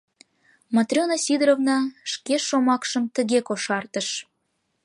Матрена Сидоровна шке шомакшым тыге кошартыш: